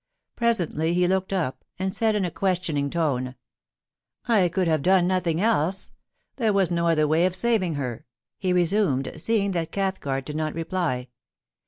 Presently he looked up, and said in a <]uestioning tone :' I could have done nothing else ? There was no other 378 POLICY AND PASSION. way of saving her,' he resumed, seeing that Cathcart did not reply.